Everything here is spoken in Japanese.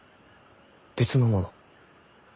別のもの？